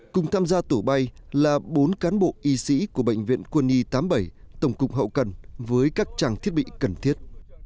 cùng tham gia tổ bay là bốn cán bộ y sĩ của bệnh viện quân y tám mươi bảy tổng cục hậu cần với các trang thiết bị cần thiết